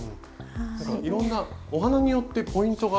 いろんなお花によってポイントが。ありますね。